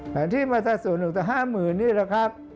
แผนที่มาตราส่วน๑ต่อ๕หมื่นนี่แหละครับ